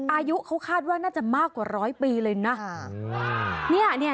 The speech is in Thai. อายุเขาคาดว่าน่าจะมากกว่าร้อยปีเลยนะ